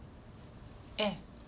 ええ。